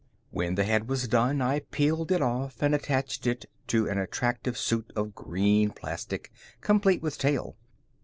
When the head was done, I peeled it off and attached it to an attractive suit of green plastic, complete with tail.